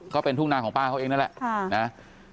ก็เป็นทุ่งนาของป้าเขาเองนั่นแหละ